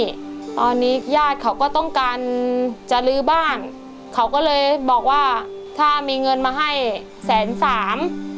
ตอนนี้ญาติเขาก็ต้องการจะลื้อบ้านเขาก็เลยบอกว่าถ้ามีเงินมาให้แสนสาม